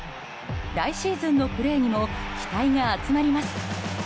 来シーズンのプレーにも期待が集まります。